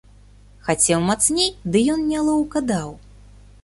Хацеў мацней, ды ён нялоўка даў.